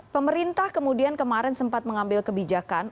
pemerintah kemudian kemarin sempat mengambil kebijakan